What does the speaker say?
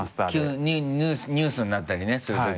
急にニュースになったりねするときに。